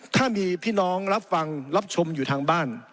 ถ้ามีพี่น้องรับฟังรับชมอยู่ทางบ้าน